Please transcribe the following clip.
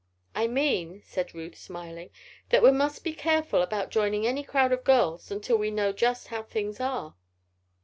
"I mean," said Ruth, smiling, "that we must be careful about joining any crowd of girls until we know just how things are."